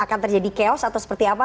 dan akan terjadi chaos atau seperti apa